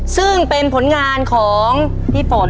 ซึ่งเป็นผลงานของพี่ฝน